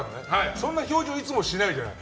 そんな表情いつもしないじゃない。